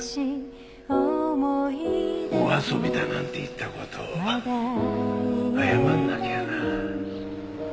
お遊びだなんて言った事を謝らなきゃな。